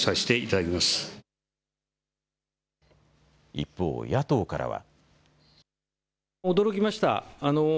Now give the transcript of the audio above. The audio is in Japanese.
一方、野党からは。